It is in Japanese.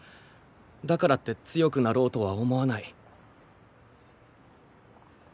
だからって強くなろうとは思わない。